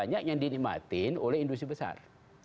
banyak yang dinikmatin oleh industri besar